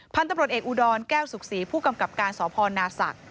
พันธุ์ตำรวจเอกอุดรแก้วสุขศรีผู้กำกับการสพนาศักดิ